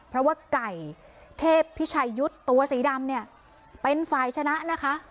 เพราะว่าไก่เทพพิชัยยุทธ์ตัวสีดำเนี่ยเป็นฝ่ายชนะนะคะ